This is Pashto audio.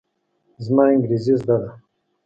زما انګرېزي زده ده.